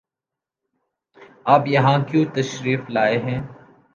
آپ یہاں کیوں تشریف لائے ہیں؟